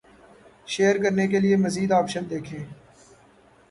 share کرنے کے لیے مزید آپشن دیکھ„یں